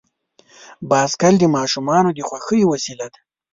بایسکل د ماشومانو د خوښۍ وسیله ده.